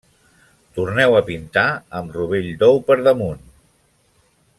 Torneu a pintar amb rovell d’ou, per damunt.